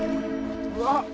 うわっ！